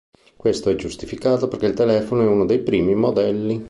Questo è giustificato perché il telefono è uno dei primi modelli.